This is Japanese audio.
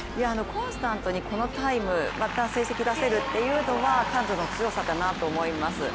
コンスタントにこのタイム、また成績を出せるというのは彼女の強さかなと思います。